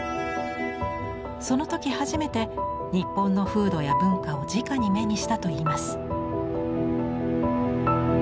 その時初めて日本の風土や文化をじかに目にしたといいます。